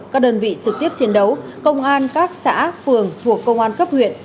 các đơn vị trực tiếp chiến đấu công an các xã phường thuộc công an cấp huyện